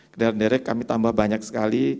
kendaraan derek kami tambah banyak sekali